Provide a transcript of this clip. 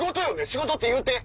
仕事って言うて！